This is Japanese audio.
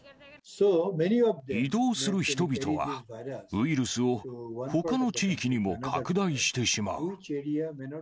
移動する人々は、ウイルスをほかの地域にも拡大してしまう。